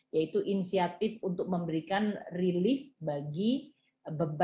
yaitu inisiatif untuk memberikan relief bagi beban